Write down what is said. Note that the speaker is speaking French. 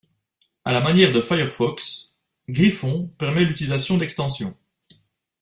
À la manière de Firefox, Griffon permet l'utilisation d'extensions.